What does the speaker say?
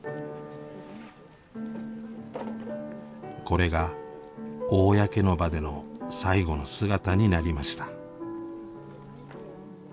これが公の場での最後の姿になりました。